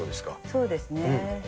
そうですね。